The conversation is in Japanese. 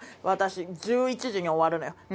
私１１時に終わるのよ。